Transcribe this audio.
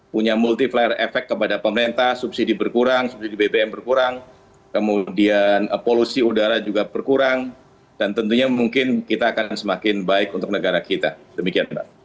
punya multiplier efek kepada pemerintah subsidi berkurang subsidi bbm berkurang kemudian polusi udara juga berkurang dan tentunya mungkin kita akan semakin baik untuk negara kita demikian mbak